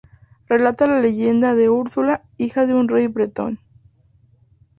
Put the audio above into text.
Relatan la leyenda de Úrsula, hija de un rey bretón.